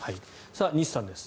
西さんです